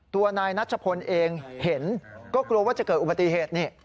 ตัวนายนัชพลเองเห็นก็กลัวว่าจะเกิดอุบัติเหตุนี่